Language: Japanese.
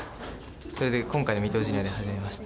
それで今回の未踏ジュニアで始めました。